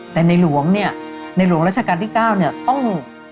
แต่ในหลวงเนี่ยในหลวงราชการที่๙เนี่ยต้อง